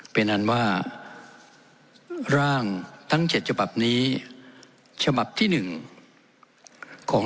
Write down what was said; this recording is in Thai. เป็นอันว่าร่างทั้ง๗ฉบับนี้ฉบับที่๑ของ